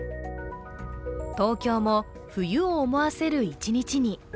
東京も、冬を思わせる一日に。